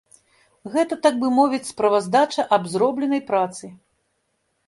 Гэта, так бы мовіць, справаздача аб зробленай працы!